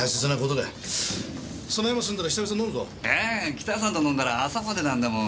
キタさんと飲んだら朝までなんだもん。